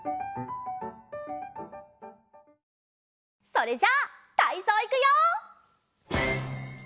それじゃたいそういくよ！